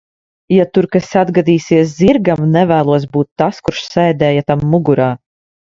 Ja tur kas atgadīsies zirgam, nevēlos būt tas, kurš sēdēja tam mugurā.